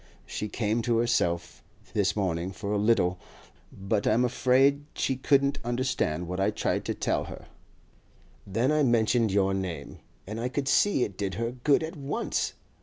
She came to herself this morning for a little, but I'm afraid she couldn't understand what I tried to tell her; then I mentioned your name, and I could see it did her good at once.